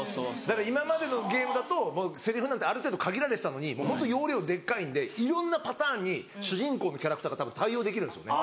今までのゲームだとセリフある程度限られてたのにホント容量デッカいんでいろんなパターンに主人公のキャラクターが対応できるんですよね